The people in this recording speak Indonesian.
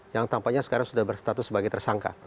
yang tampaknya sekarang sudah berstatus sebagai tersangka